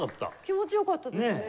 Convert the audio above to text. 気持ち良かったですね。